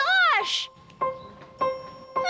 aku harus tetep nunggu